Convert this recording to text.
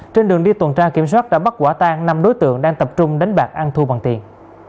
trên đường đi tuần tra kiểm soát đã bắt quả tan năm đối tượng đang tập trung đánh bạc ăn thua bằng tiền